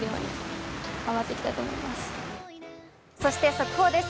速報です。